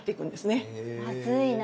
まずいな。